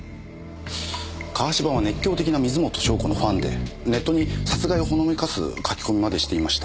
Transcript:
川芝は熱狂的な水元湘子のファンでネットに殺害をほのめかす書き込みまでしていました。